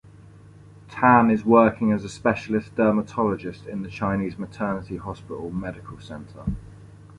Tan is working as a Specialist Dermatologist at the Chinese Maternity Hospital Medical Centre.